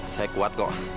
saya kuat kok